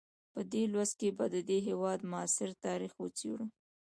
په دې لوست کې به د دې هېواد معاصر تاریخ وڅېړو.